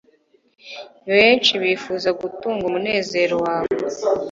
benshi bifuza gutunga umunezero wawe